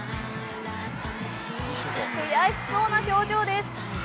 悔しそうな表情です。